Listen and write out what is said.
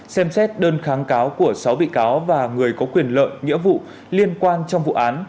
xem xét đơn kháng cáo của sáu bị cáo và người có quyền lợi nghĩa vụ liên quan trong vụ án